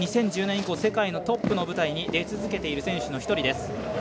２０１０年以降世界のトップの舞台に出続けている選手の１人。